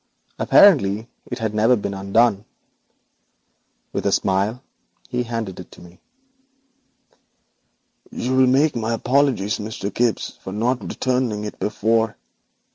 Apparently it had never been opened. With a smile he handed it to me. 'You will make my apologies to Mr. Gibbes for not returning it before.